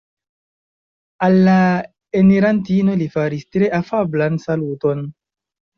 Al la enirantino li faris tre afablan saluton.